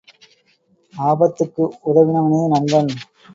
ஆபத்துக்கு உதவினவனே நண்பன்.